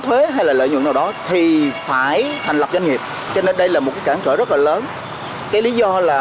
thuế hay lợi nhuận nào đó thì phải thành lập doanh nghiệp cho nên đây là một cản trở rất lớn lý do